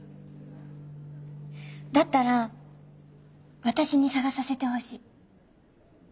だったら私に探させてほしい。